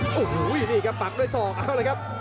โอ้โหยังมีอีกกับปักด้วยสองเอาเลยครับ